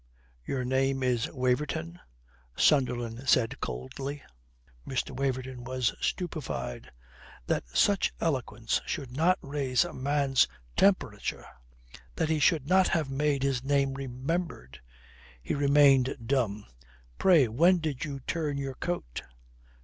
"Your name is Waverton?" Sunderland said coldly. Mr. Waverton was stupefied. That such eloquence should not raise a man's temperature! That he should not have made his name remembered! He remained dumb. "Pray when did you turn your coat?"